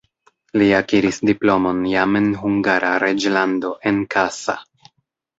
Li akiris diplomon jam en Hungara reĝlando en Kassa.